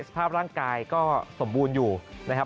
สภาพร่างกายก็สมบูรณ์อยู่นะครับ